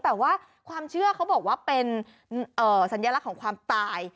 แต่ว่าความเชื่อเขาบอกว่าเป็นสัญลักษณ์ของความตาย